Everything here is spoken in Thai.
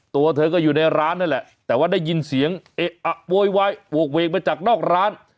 ตัวเธอก็อยู่ในร้านนั่นแหละแต่ว่าได้ยินเสียงเอะอะโวยวายโหกเวกมาจากนอกร้าน